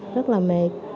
rất là mệt